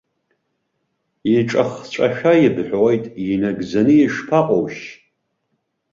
Иҿахҵәашәа ибҳәоит, инагӡаны ишԥаҟоушь?